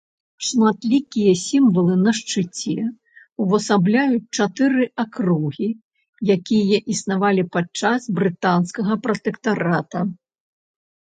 Шматлікія сімвалы на шчыце ўвасабляюць чатыры акругі, якія існавалі падчас брытанскага пратэктарата.